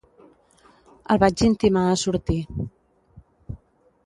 El vaig intimar a sortir.